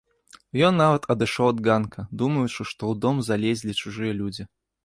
Ён нават адышоў ад ганка, думаючы, што ў дом залезлі чужыя людзі.